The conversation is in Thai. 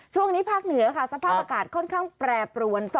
ช่วงนี้ภาคเหนือค่ะสภาพอากาศค่อนข้างแปรปรวน